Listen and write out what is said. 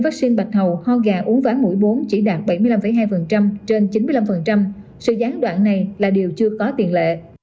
vaccine bạch hầu ho gà uống ván mũi bốn chỉ đạt bảy mươi năm hai trên chín mươi năm sự gián đoạn này là điều chưa có tiền lệ